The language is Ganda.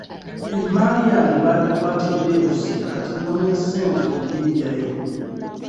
Emmaali yange bagikwatidde e Busia kati noonya ssente kugiggyayo.